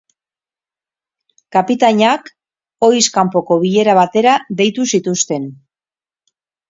Kapitainak ohiz kanpoko bilera batera deitu zituzten.